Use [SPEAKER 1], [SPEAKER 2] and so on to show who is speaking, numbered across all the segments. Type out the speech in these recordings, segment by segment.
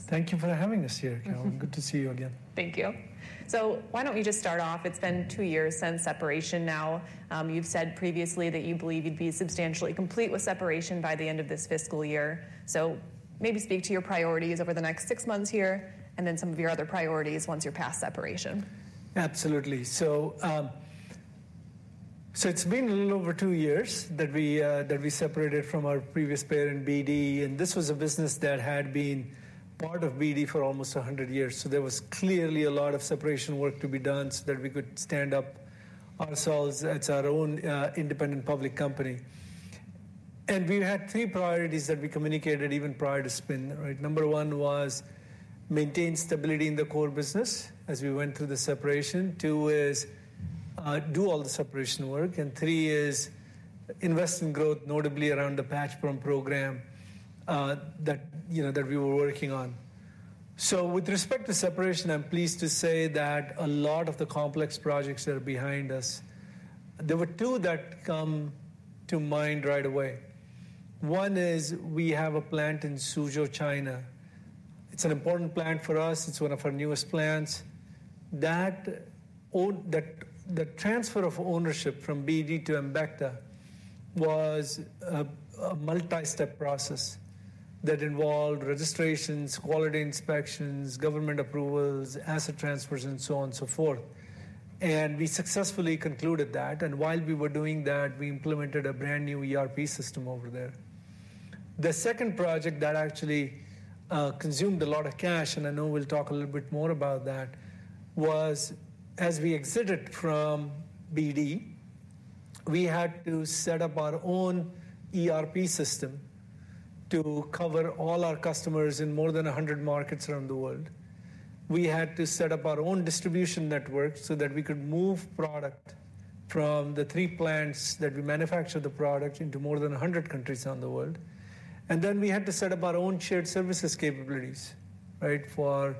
[SPEAKER 1] Thank you for having us here, Carolyn. Good to see you again.
[SPEAKER 2] Thank you. So why don't we just start off? It's been two years since separation now. You've said previously that you believe you'd be substantially complete with separation by the end of this fiscal year. So maybe speak to your priorities over the next six months here, and then some of your other priorities once you're past separation.
[SPEAKER 1] Absolutely. So, it's been a little over 2 years that we separated from our previous parent, BD, and this was a business that had been part of BD for almost 100 years. So there was clearly a lot of separation work to be done so that we could stand up ourselves as our own independent public company. We had 3 priorities that we communicated even prior to spin, right? Number 1 was maintain stability in the core business as we went through the separation. 2 is do all the separation work, and 3 is invest in growth, notably around the patch pump program, that, you know, that we were working on. So with respect to separation, I'm pleased to say that a lot of the complex projects are behind us. There were 2 that come to mind right away. One is we have a plant in Suzhou, China. It's an important plant for us. It's one of our newest plants. That, the transfer of ownership from BD to Embecta was a multi-step process that involved registrations, quality inspections, government approvals, asset transfers, and so on and so forth. And we successfully concluded that, and while we were doing that, we implemented a brand-new ERP system over there. The second project that actually consumed a lot of cash, and I know we'll talk a little bit more about that, was as we exited from BD, we had to set up our own ERP system to cover all our customers in more than 100 markets around the world. We had to set up our own distribution network so that we could move product from the 3 plants that we manufacture the product into more than 100 countries around the world. And then we had to set up our own shared services capabilities, right, for,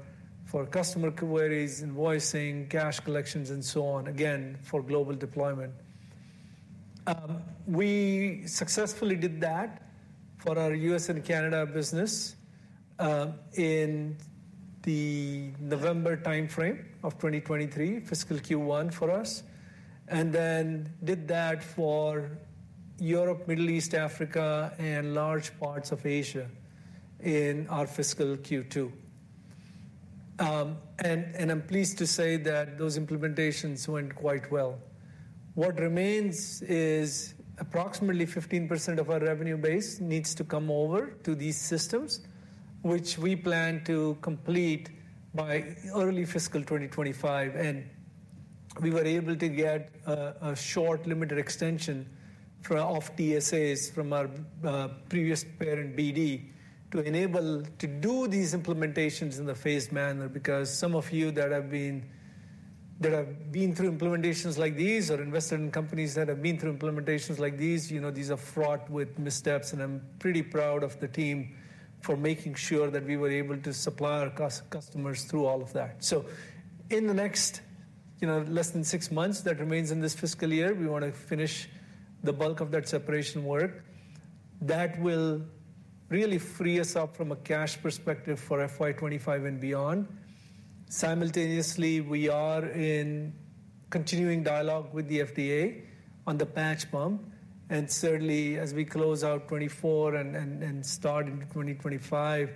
[SPEAKER 1] for customer queries, invoicing, cash collections, and so on, again, for global deployment. We successfully did that for our U.S. and Canada business, in the November time frame of 2023, fiscal Q1 for us, and then did that for Europe, Middle East, Africa, and large parts of Asia in our fiscal Q2. And, and I'm pleased to say that those implementations went quite well. What remains is approximately 15% of our revenue base needs to come over to these systems, which we plan to complete by early fiscal 2025, and we were able to get a short, limited extension for our TSAs from our previous parent, BD, to enable to do these implementations in the phased manner. Because some of you that have been through implementations like these or invested in companies that have been through implementations like these, you know, these are fraught with missteps, and I'm pretty proud of the team for making sure that we were able to supply our customers through all of that. So in the next, you know, less than six months that remains in this fiscal year, we want to finish the bulk of that separation work. That will really free us up from a cash perspective for FY 25 and beyond. Simultaneously, we are in continuing dialogue with the FDA on the patch pump, and certainly as we close out 2024 and start into 2025,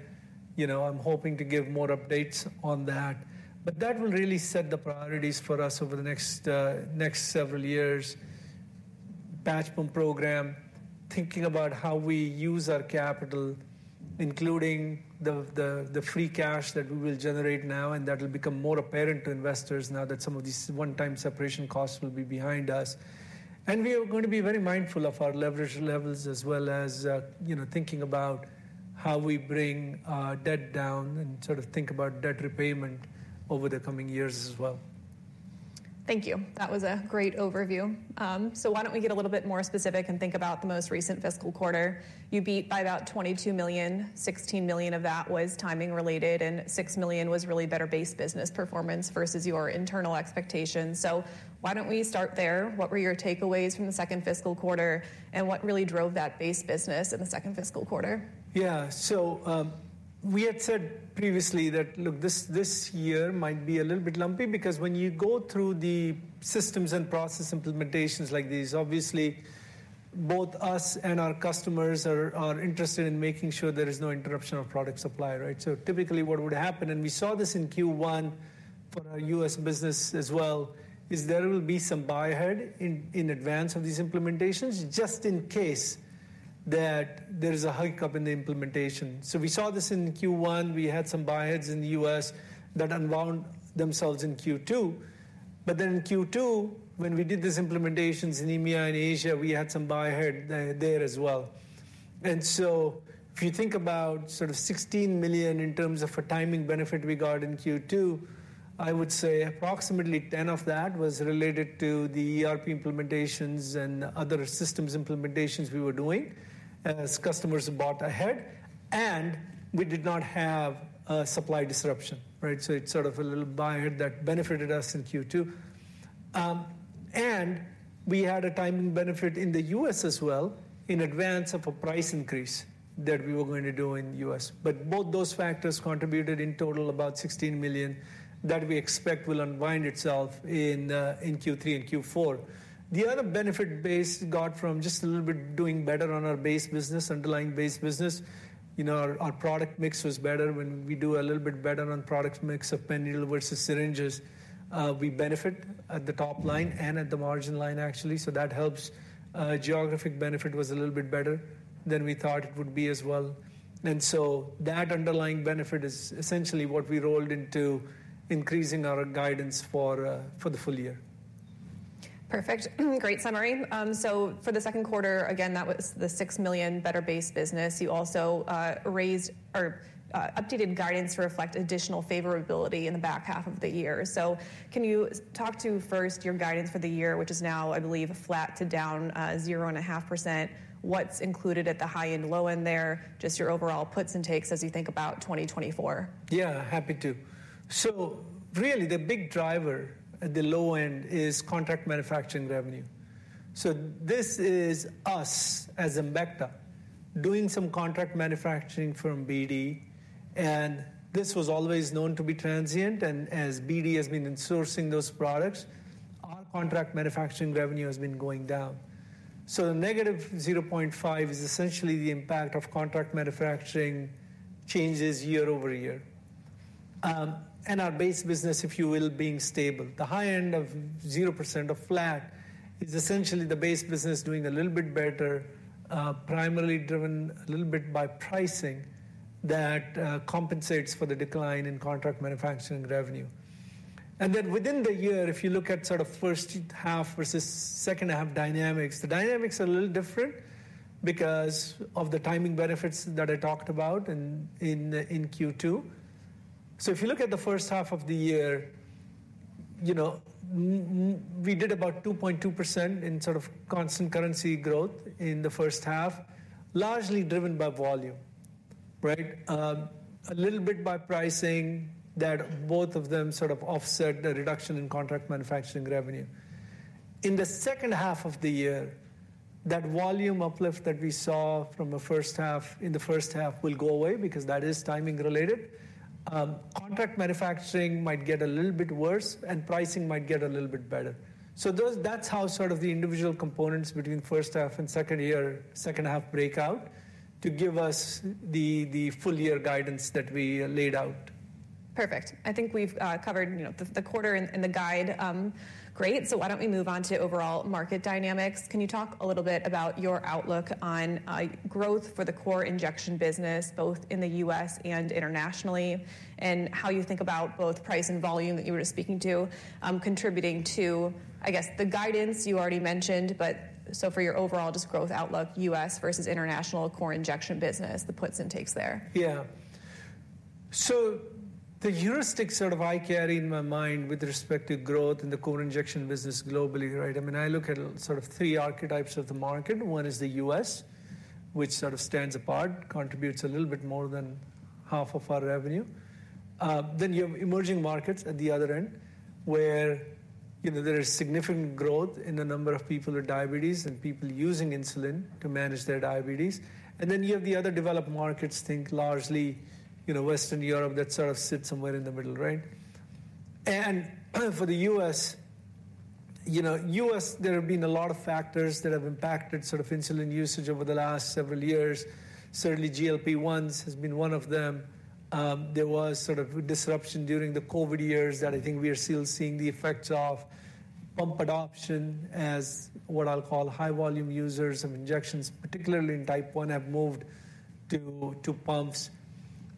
[SPEAKER 1] you know, I'm hoping to give more updates on that. But that will really set the priorities for us over the next several years. Patch pump program, thinking about how we use our capital, including the free cash that we will generate now, and that will become more apparent to investors now that some of these one-time separation costs will be behind us. And we are going to be very mindful of our leverage levels as well as, you know, thinking about how we bring our debt down and sort of think about debt repayment over the coming years as well.
[SPEAKER 2] Thank you. That was a great overview. So why don't we get a little bit more specific and think about the most recent fiscal quarter. You beat by about $22 million, $16 million of that was timing related, and $6 million was really better base business performance versus your internal expectations. So why don't we start there? What were your takeaways from the second fiscal quarter, and what really drove that base business in the second fiscal quarter?
[SPEAKER 1] Yeah. So, we had said previously that, look, this year might be a little bit lumpy because when you go through the systems and process implementations like these, obviously, both us and our customers are interested in making sure there is no interruption of product supply, right? So typically, what would happen, and we saw this in Q1 for our U.S. business as well, is there will be some buy ahead in advance of these implementations, just in case that there is a hiccup in the implementation. So we saw this in Q1. We had some buy aheads in the U.S. that unwound themselves in Q2. But then in Q2, when we did these implementations in EMEA and Asia, we had some buy ahead there as well. And so if you think about sort of $16 million in terms of a timing benefit we got in Q2, I would say approximately $10 million of that was related to the ERP implementations and other systems implementations we were doing as customers bought ahead, and we did not have a supply disruption, right? So it's sort of a little buy ahead that benefited us in Q2. And we had a timing benefit in the U.S. as well, in advance of a price increase that we were going to do in the U.S. But both those factors contributed in total about $16 million, that we expect will unwind itself in Q3 and Q4. The other benefit we got from just a little bit doing better on our base business, underlying base business. You know, our product mix was better. When we do a little bit better on product mix of pen needle versus syringes, we benefit at the top line and at the margin line actually, so that helps. Geographic benefit was a little bit better than we thought it would be as well. And so that underlying benefit is essentially what we rolled into increasing our guidance for the full year.
[SPEAKER 2] Perfect. Great summary. So for the second quarter, again, that was the $6 million better base business. You also raised or updated guidance to reflect additional favorability in the back half of the year. So can you talk to first your guidance for the year, which is now, I believe, flat to down 0.5%? What's included at the high end, low end there, just your overall puts and takes as you think about 2024.
[SPEAKER 1] Yeah, happy to. So really, the big driver at the low end is contract manufacturing revenue. So this is us as Embecta, doing some contract manufacturing for BD, and this was always known to be transient. And as BD has been insourcing those products, our contract manufacturing revenue has been going down. So the -0.5% is essentially the impact of contract manufacturing changes year-over-year. And our base business, if you will, being stable. The high end of 0% or flat is essentially the base business doing a little bit better, primarily driven a little bit by pricing that compensates for the decline in contract manufacturing revenue. And then within the year, if you look at sort of first half versus second half dynamics, the dynamics are a little different because of the timing benefits that I talked about in Q2. So if you look at the first half of the year, you know, we did about 2.2% in sort of constant currency growth in the first half, largely driven by volume, right? A little bit by pricing, that both of them sort of offset the reduction in contract manufacturing revenue. In the second half of the year, that volume uplift that we saw from the first half, in the first half will go away because that is timing related. Contract manufacturing might get a little bit worse, and pricing might get a little bit better. So those—that's how sort of the individual components between first half and second year, second half break out, to give us the, the full year guidance that we laid out.
[SPEAKER 2] Perfect. I think we've covered, you know, the quarter and the guide, great. So why don't we move on to overall market dynamics? Can you talk a little bit about your outlook on growth for the core injection business, both in the U.S. and internationally, and how you think about both price and volume that you were just speaking to, contributing to, I guess, the guidance you already mentioned? But so for your overall just growth outlook, U.S. versus international core injection business, the puts and takes there.
[SPEAKER 1] Yeah. So the heuristic sort of I carry in my mind with respect to growth in the core injection business globally, right? I mean, I look at sort of three archetypes of the market. One is the U.S., which sort of stands apart, contributes a little bit more than half of our revenue. Then you have emerging markets at the other end, where, you know, there is significant growth in the number of people with diabetes and people using insulin to manage their diabetes. And then you have the other developed markets, think largely, you know, Western Europe, that sort of sit somewhere in the middle, right? And for the U.S., you know, U.S., there have been a lot of factors that have impacted sort of insulin usage over the last several years. Certainly, GLP-1s has been one of them. There was sort of disruption during the COVID years that I think we are still seeing the effects of pump adoption as what I'll call high volume users of injections, particularly in Type 1, have moved to pumps.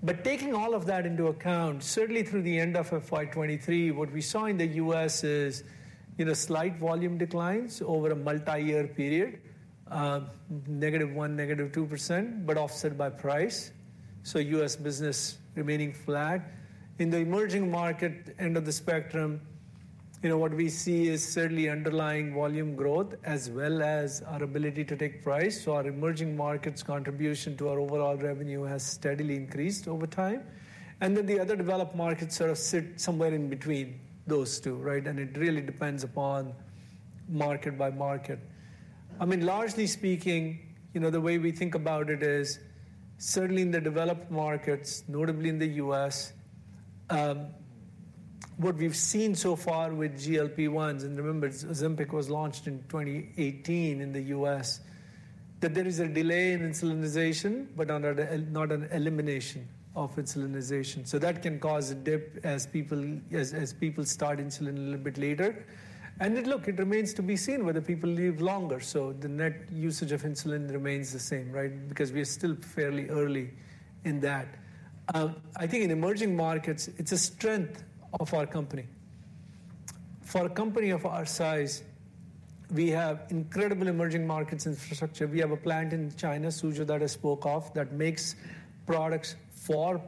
[SPEAKER 1] But taking all of that into account, certainly through the end of FY 2023, what we saw in the U.S. is, you know, slight volume declines over a multi-year period, -1%, -2%, but offset by price, so U.S. business remaining flat. In the emerging market end of the spectrum, you know, what we see is certainly underlying volume growth, as well as our ability to take price. So our emerging markets' contribution to our overall revenue has steadily increased over time. And then the other developed markets sort of sit somewhere in between those two, right? And it really depends upon market by market. I mean, largely speaking, you know, the way we think about it is certainly in the developed markets, notably in the U.S., what we've seen so far with GLP-1s, and remember, Ozempic was launched in 2018 in the U.S., that there is a delay in insulinization, but under the... not an elimination of insulinization. So that can cause a dip as people start insulin a little bit later. And then, look, it remains to be seen whether people live longer, so the net usage of insulin remains the same, right? Because we are still fairly early in that. I think in emerging markets, it's a strength of our company. For a company of our size, we have incredible emerging markets infrastructure. We have a plant in China, Suzhou, that I spoke of, that makes products for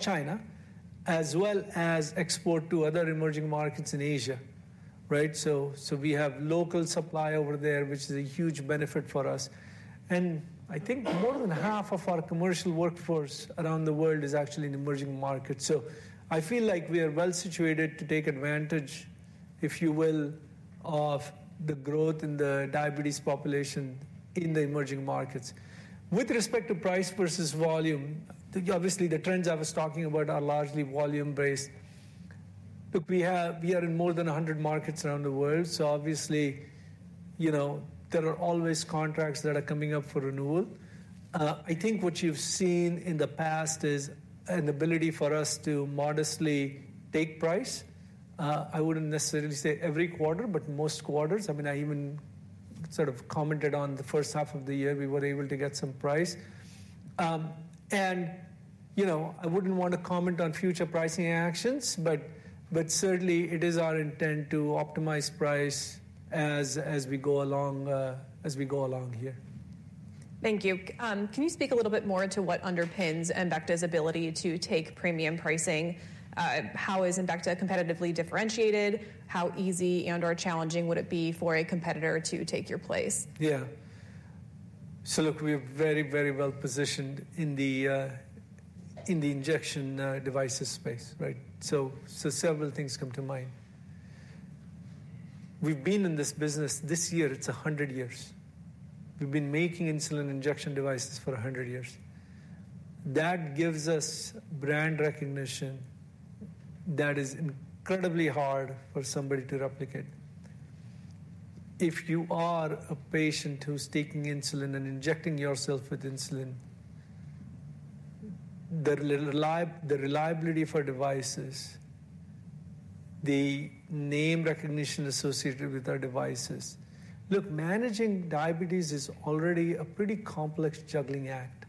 [SPEAKER 1] China, as well as export to other emerging markets in Asia, right? So we have local supply over there, which is a huge benefit for us. And I think more than half of our commercial workforce around the world is actually in emerging markets. So I feel like we are well situated to take advantage, if you will, of the growth in the diabetes population in the emerging markets. With respect to price versus volume, obviously, the trends I was talking about are largely volume-based. Look, we are in more than 100 markets around the world, so obviously, you know, there are always contracts that are coming up for renewal. I think what you've seen in the past is an ability for us to modestly take price. I wouldn't necessarily say every quarter, but most quarters. I mean, I even sort of commented on the first half of the year, we were able to get some price. And, you know, I wouldn't want to comment on future pricing actions, but, but certainly it is our intent to optimize price as, as we go along, as we go along here.
[SPEAKER 2] Thank you. Can you speak a little bit more into what underpins Embecta's ability to take premium pricing? How is Embecta competitively differentiated? How easy and/or challenging would it be for a competitor to take your place?
[SPEAKER 1] Yeah. So look, we're very, very well positioned in the injection devices space, right? So several things come to mind. We've been in this business; this year, it's 100 years. We've been making insulin injection devices for 100 years. That gives us brand recognition that is incredibly hard for somebody to replicate. If you are a patient who's taking insulin and injecting yourself with insulin, the reliability for devices, the name recognition associated with our devices... Look, managing diabetes is already a pretty complex juggling act.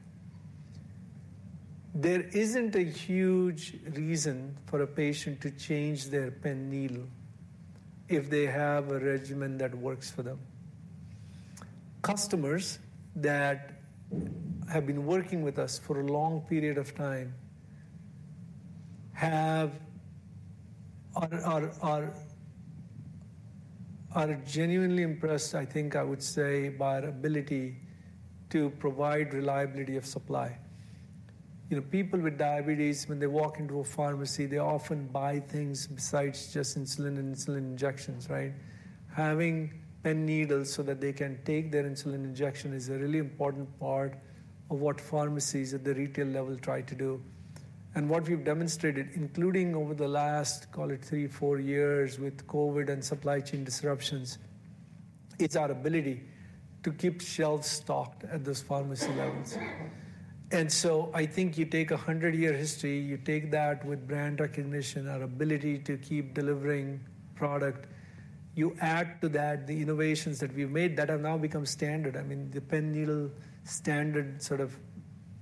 [SPEAKER 1] There isn't a huge reason for a patient to change their pen needle if they have a regimen that works for them. Customers that have been working with us for a long period of time are genuinely impressed, I think I would say, by our ability to provide reliability of supply. You know, people with diabetes, when they walk into a pharmacy, they often buy things besides just insulin and insulin injections, right? Having pen needles so that they can take their insulin injection is a really important part of what pharmacies at the retail level try to do. And what we've demonstrated, including over the last, call it three, four years, with COVID and supply chain disruptions, it's our ability to keep shelves stocked at those pharmacy levels. And so I think you take a 100-year history, you take that with brand recognition, our ability to keep delivering product, you add to that the innovations that we've made that have now become standard. I mean, the pen needle standard sort of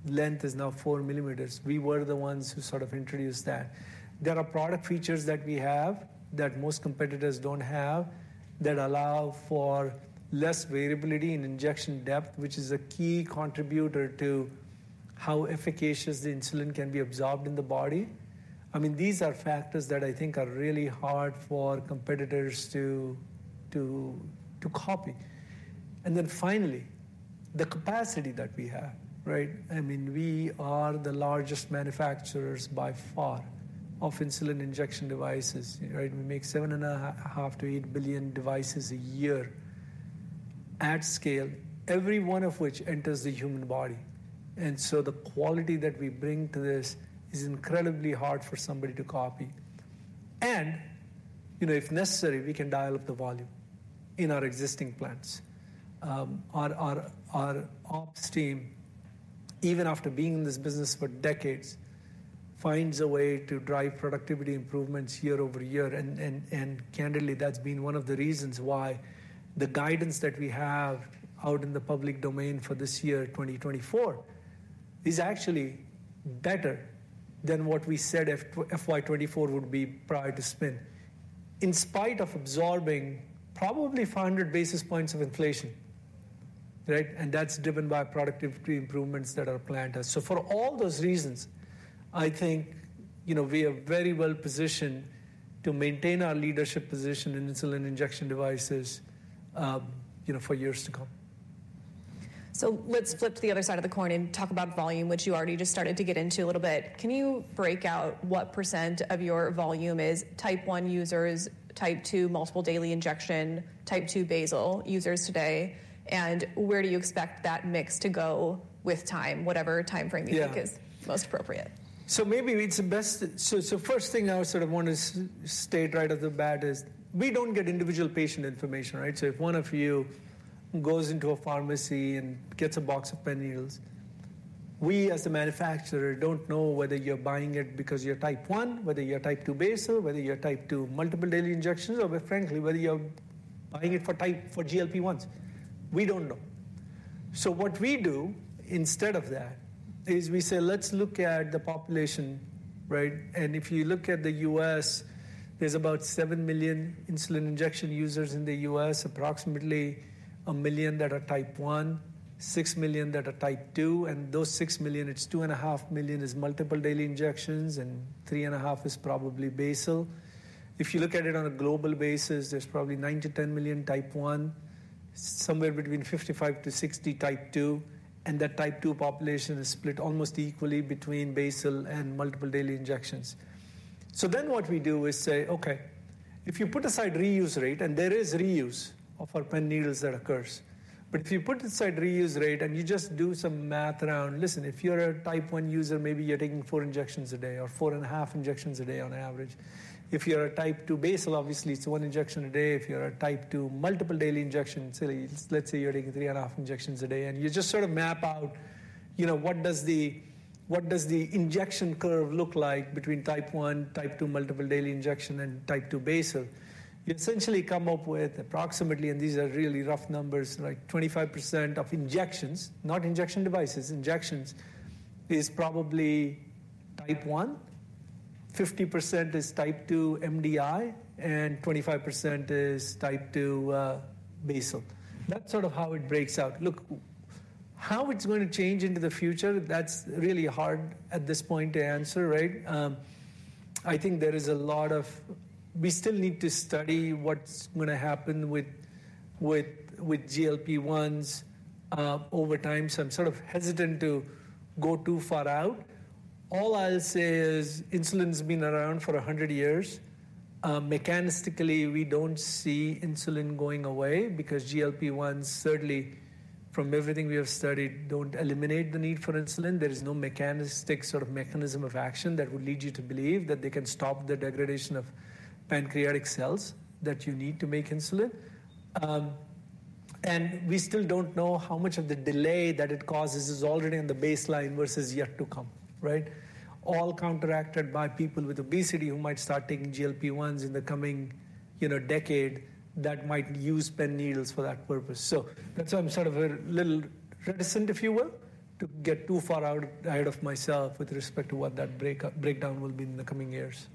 [SPEAKER 1] length is now 4 mm. We were the ones who sort of introduced that. There are product features that we have that most competitors don't have, that allow for less variability in injection depth, which is a key contributor to how efficacious the insulin can be absorbed in the body. I mean, these are factors that I think are really hard for competitors to copy. And then finally, the capacity that we have, right? I mean, we are the largest manufacturers, by far, of insulin injection devices, right? We make 7.5 billion-8 billion devices a year at scale, every one of which enters the human body. And so the quality that we bring to this is incredibly hard for somebody to copy. You know, if necessary, we can dial up the volume in our existing plants. Our ops team, even after being in this business for decades, finds a way to drive productivity improvements year-over-year. Candidly, that's been one of the reasons why the guidance that we have out in the public domain for this year, 2024, is actually better than what we said FY 2024 would be prior to spin, in spite of absorbing probably 500 basis points of inflation, right? And that's driven by productivity improvements that our plant does. So for all those reasons, I think, you know, we are very well positioned to maintain our leadership position in insulin injection devices, you know, for years to come.
[SPEAKER 2] So let's flip to the other side of the coin and talk about volume, which you already just started to get into a little bit. Can you break out what % of your volume is Type 1 users, Type 2 multiple daily injection, Type 2 basal users today, and where do you expect that mix to go with time, whatever timeframe you think-
[SPEAKER 1] Yeah...
[SPEAKER 2] is most appropriate?
[SPEAKER 1] So, first thing I would sort of want to state right off the bat is, we don't get individual patient information, right? So if one of you goes into a pharmacy and gets a box of pen needles, we as the manufacturer, don't know whether you're buying it because you're Type 1, whether you're Type 2 basal, whether you're Type 2 multiple daily injections, or frankly, whether you're buying it for Type, for GLP-1s. We don't know. So what we do instead of that, is we say, "Let's look at the population," right? And if you look at the U.S., there's about 7 million insulin injection users in the U.S., approximately 1 million that are Type 1, 6 million that are Type 2, and those 6 million, it's 2.5 million is multiple daily injections, and 3.5 is probably basal. If you look at it on a global basis, there's probably 9-10 million Type 1-... somewhere between 55-60 Type 2, and that Type 2 population is split almost equally between basal and multiple daily injections. So then what we do is say, okay, if you put aside reuse rate, and there is reuse of our pen needles that occurs. But if you put aside reuse rate and you just do some math around, listen, if you're a Type 1 user, maybe you're taking 4 injections a day or 4.5 injections a day on average. If you're a Type 2 basal, obviously, it's 1 injection a day. If you're a Type 2 multiple daily injections, so let's say you're taking 3.5 injections a day, and you just sort of map out, you know, what does the, what does the injection curve look like between Type 1, Type 2, multiple daily injection, and Type 2 basal? You essentially come up with approximately, and these are really rough numbers, like 25% of injections, not injection devices, injections, is probably Type 1, 50% is Type 2 MDI, and 25% is Type 2 basal. That's sort of how it breaks out. Look, how it's going to change into the future, that's really hard at this point to answer, right? I think we still need to study what's gonna happen with GLP-1s over time. So I'm sort of hesitant to go too far out. All I'll say is insulin's been around for 100 years. Mechanistically, we don't see insulin going away because GLP-1s, certainly from everything we have studied, don't eliminate the need for insulin. There is no mechanistic sort of mechanism of action that would lead you to believe that they can stop the degradation of pancreatic cells that you need to make insulin. And we still don't know how much of the delay that it causes is already in the baseline versus yet to come, right? All counteracted by people with obesity who might start taking GLP-1s in the coming, you know, decade, that might use pen needles for that purpose. So that's why I'm sort of a little reticent, if you will, to get too far out ahead of myself with respect to what that breakdown will be in the coming years.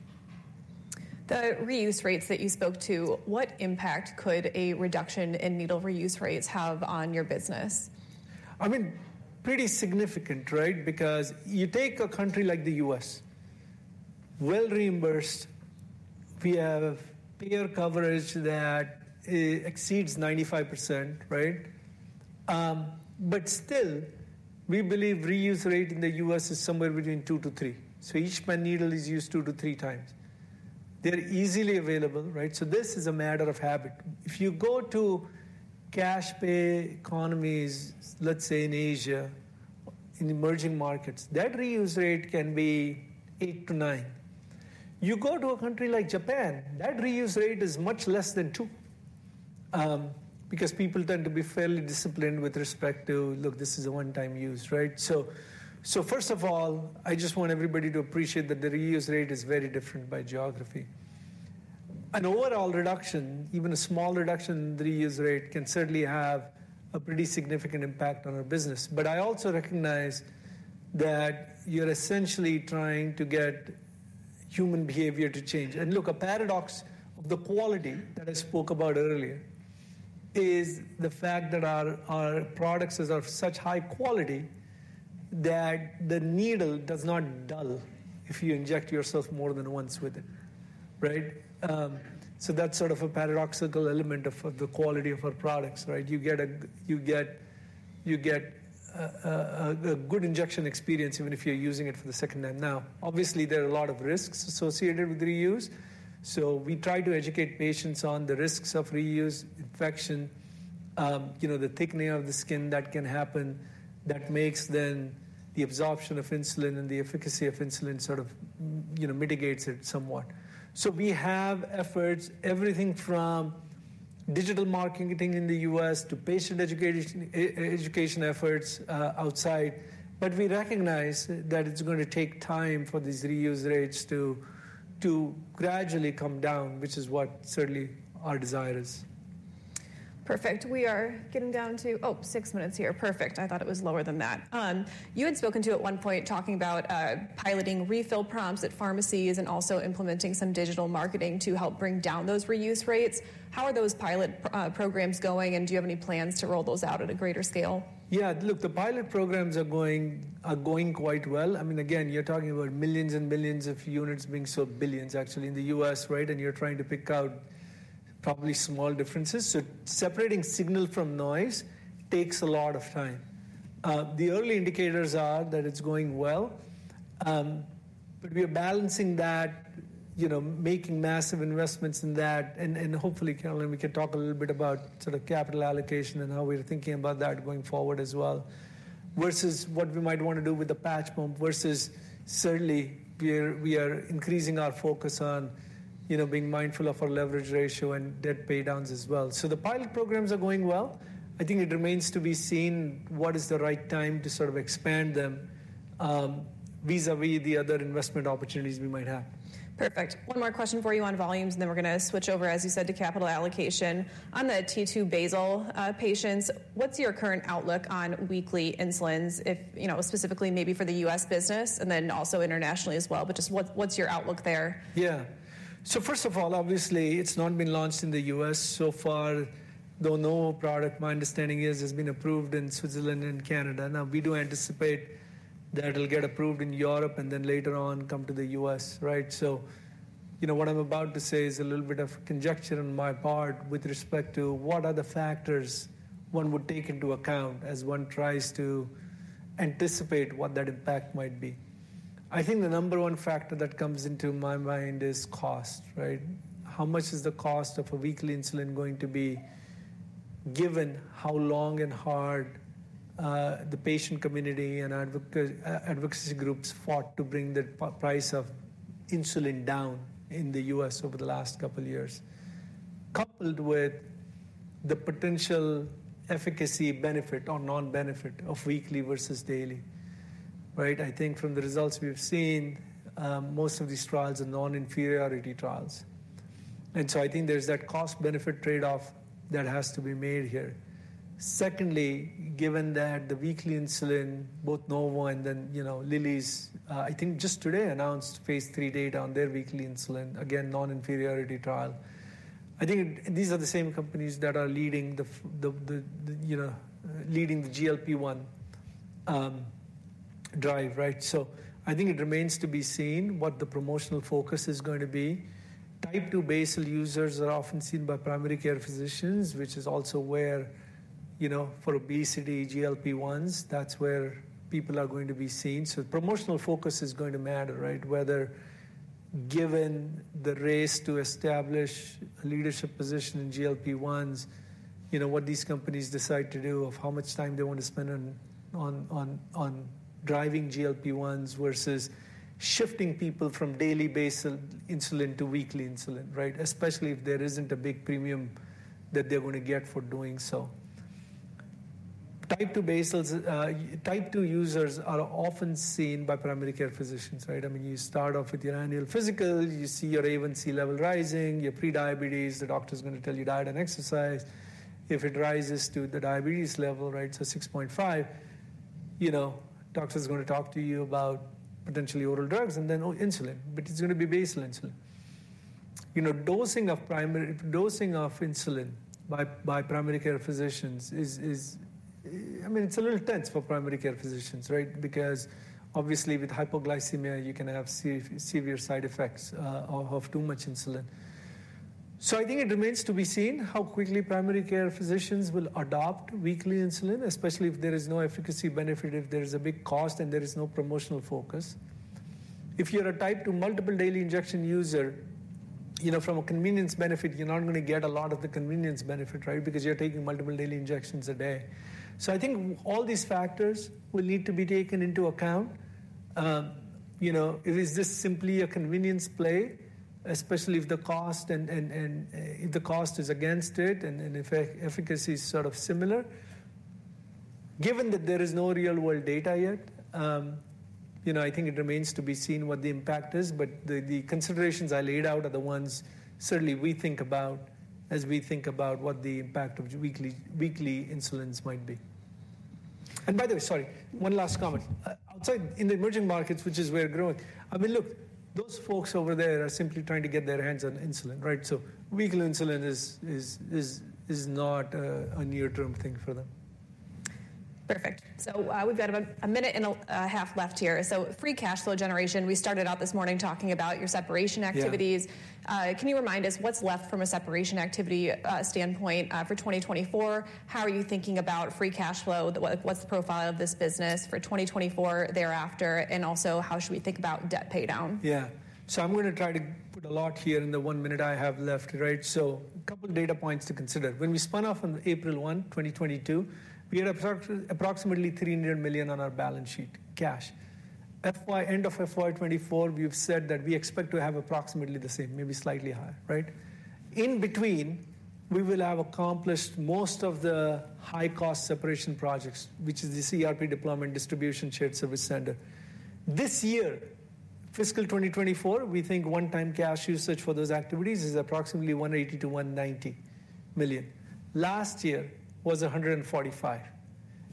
[SPEAKER 2] The reuse rates that you spoke to, what impact could a reduction in needle reuse rates have on your business?
[SPEAKER 1] I mean, pretty significant, right? Because you take a country like the U.S., well reimbursed. We have payer coverage that exceeds 95%, right? But still, we believe reuse rate in the U.S. is somewhere between 2-3. So each pen needle is used 2-3 times. They're easily available, right? So this is a matter of habit. If you go to cash pay economies, let's say in Asia, in emerging markets, that reuse rate can be 8-9. You go to a country like Japan, that reuse rate is much less than 2, because people tend to be fairly disciplined with respect to, "Look, this is a one-time use," right? So, so first of all, I just want everybody to appreciate that the reuse rate is very different by geography. An overall reduction, even a small reduction in the reuse rate, can certainly have a pretty significant impact on our business. But I also recognize that you're essentially trying to get human behavior to change. And look, a paradox of the quality that I spoke about earlier is the fact that our products are of such high quality that the needle does not dull if you inject yourself more than once with it, right? So that's sort of a paradoxical element of the quality of our products, right? You get a good injection experience, even if you're using it for the second time. Now, obviously, there are a lot of risks associated with reuse, so we try to educate patients on the risks of reuse, infection, you know, the thickening of the skin that can happen, that makes the absorption of insulin and the efficacy of insulin sort of, you know, mitigates it somewhat. So we have efforts, everything from digital marketing in the U.S. to patient education, e-education efforts outside, but we recognize that it's going to take time for these reuse rates to gradually come down, which is what certainly our desire is.
[SPEAKER 2] Perfect. We are getting down to, oh, six minutes here. Perfect. I thought it was lower than that. You had spoken to at one point, talking about piloting refill prompts at pharmacies and also implementing some digital marketing to help bring down those reuse rates. How are those pilot programs going, and do you have any plans to roll those out at a greater scale?
[SPEAKER 1] Yeah. Look, the pilot programs are going quite well. I mean, again, you're talking about millions and billions of units being sold, billions actually in the U.S., right? And you're trying to pick out probably small differences. So separating signal from noise takes a lot of time. The early indicators are that it's going well, but we are balancing that, you know, making massive investments in that. And hopefully, Carolyn, we can talk a little bit about sort of capital allocation and how we're thinking about that going forward as well, versus what we might want to do with the patch pump, versus certainly we are increasing our focus on, you know, being mindful of our leverage ratio and debt paydowns as well. So the pilot programs are going well. I think it remains to be seen what is the right time to sort of expand them, vis-à-vis the other investment opportunities we might have.
[SPEAKER 2] Perfect. One more question for you on volumes, and then we're gonna switch over, as you said, to capital allocation. On the T2 basal patients, what's your current outlook on weekly insulins? If, you know, specifically maybe for the U.S. business and then also internationally as well, but just what, what's your outlook there?
[SPEAKER 1] Yeah. So first of all, obviously, it's not been launched in the U.S. so far, though no product, my understanding is, has been approved in Switzerland and Canada. Now, we do anticipate that it'll get approved in Europe and then later on come to the U.S., right? So, you know, what I'm about to say is a little bit of conjecture on my part with respect to what are the factors one would take into account as one tries to anticipate what that impact might be. I think the number one factor that comes into my mind is cost, right? How much is the cost of a weekly insulin going to be, given how long and hard the patient community and advocacy groups fought to bring the price of insulin down in the U.S. over the last couple of years, coupled with the potential efficacy, benefit or non-benefit of weekly versus daily, right? I think from the results we've seen, most of these trials are non-inferiority trials. And so I think there's that cost-benefit trade-off that has to be made here. Secondly, given that the weekly insulin, both Novo and then, you know, Lilly's, I think just today announced phase III data on their weekly insulin. Again, non-inferiority trial. I think these are the same companies that are leading the GLP-1 drive, right? So I think it remains to be seen what the promotional focus is going to be. Type 2 basal users are often seen by primary care physicians, which is also where, you know, for obesity, GLP-1s, that's where people are going to be seen. So promotional focus is going to matter, right? Whether given the race to establish a leadership position in GLP-1s, you know, what these companies decide to do, of how much time they want to spend on driving GLP-1s versus shifting people from daily basal insulin to weekly insulin, right? Especially if there isn't a big premium that they're going to get for doing so. Type 2 basals, type 2 users are often seen by primary care physicians, right? I mean, you start off with your annual physical, you see your A1C level rising, your prediabetes. The doctor is going to tell you diet and exercise. If it rises to the diabetes level, right, so 6.5, you know, doctor's going to talk to you about potentially oral drugs and then insulin, but it's going to be basal insulin. You know, dosing of insulin by primary care physicians is, I mean, it's a little tense for primary care physicians, right? Because obviously with hypoglycemia, you can have severe side effects of too much insulin. So I think it remains to be seen how quickly primary care physicians will adopt weekly insulin, especially if there is no efficacy benefit, if there is a big cost and there is no promotional focus. If you're a Type 2 multiple daily injection user, you know, from a convenience benefit, you're not going to get a lot of the convenience benefit, right? Because you're taking multiple daily injections a day. So I think all these factors will need to be taken into account. You know, is this simply a convenience play, especially if the cost and if the cost is against it and efficacy is sort of similar. Given that there is no real-world data yet, you know, I think it remains to be seen what the impact is, but the considerations I laid out are the ones certainly we think about as we think about what the impact of weekly insulins might be. And by the way, sorry, one last comment. Outside, in the emerging markets, which is where growth—I mean, look, those folks over there are simply trying to get their hands on insulin, right? So weekly insulin is not a near-term thing for them.
[SPEAKER 2] Perfect. So, we've got about a minute and a half left here. So free cash flow generation, we started out this morning talking about your separation activities.
[SPEAKER 1] Yeah.
[SPEAKER 2] Can you remind us what's left from a separation activity standpoint for 2024? How are you thinking about free cash flow? What's the profile of this business for 2024 thereafter, and also, how should we think about debt paydown?
[SPEAKER 1] Yeah. So I'm going to try to put a lot here in the one minute I have left, right? So a couple of data points to consider. When we spun off on April 1, 2022, we had approximately $300 million on our balance sheet, cash. FY, end of FY 2024, we've said that we expect to have approximately the same, maybe slightly higher, right? In between, we will have accomplished most of the high-cost separation projects, which is the ERP deployment, distribution, shared service center. This year, fiscal 2024, we think one-time cash usage for those activities is approximately $180 million-$190 million. Last year was $145 million,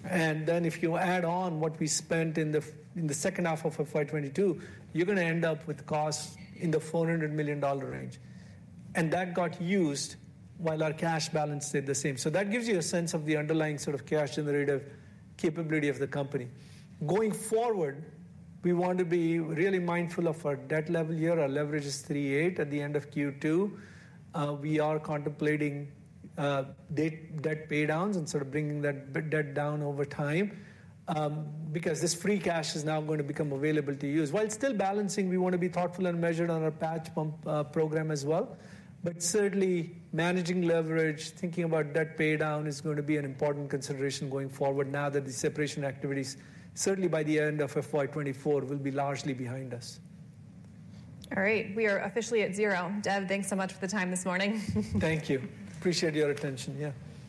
[SPEAKER 1] and then if you add on what we spent in the second half of FY 2022, you're going to end up with costs in the $400 million range. That got used while our cash balance stayed the same. So that gives you a sense of the underlying sort of cash generative capability of the company. Going forward, we want to be really mindful of our debt level here. Our leverage is 3.8 at the end of Q2. We are contemplating debt paydowns and sort of bringing that debt down over time, because this free cash is now going to become available to use. While still balancing, we want to be thoughtful and measured on our Patch pump program as well. But certainly, managing leverage, thinking about debt paydown is going to be an important consideration going forward now that the separation activities, certainly by the end of FY 2024, will be largely behind us.
[SPEAKER 2] All right. We are officially at zero. Dev, thanks so much for the time this morning.
[SPEAKER 1] Thank you. Appreciate your attention. Yeah.